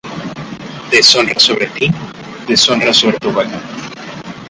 Deshonra sobre ti, deshonra sobre tu vaca..."